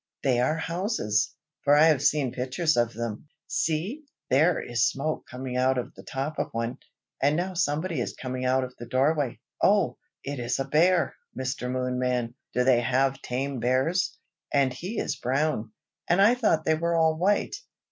they are houses, for I have seen pictures of them. See! there is smoke coming out of the top of one. And now somebody is coming out of the doorway. Oh! it is a bear, Mr. Moonman! do they have tame bears? And he is brown, and I thought they were all white."